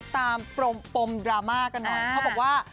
ปมดราม่ากันหน่อยเขาบอกว่า